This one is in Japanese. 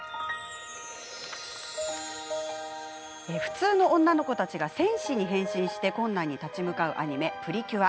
普通の女の子たちが戦士に変身して困難に立ち向かうアニメ「プリキュア」。